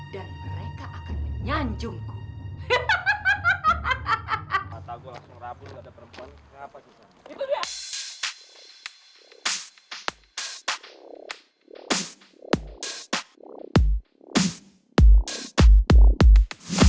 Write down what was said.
dan mereka akan menyanjungku